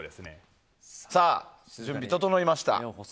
さあ、準備が整いました。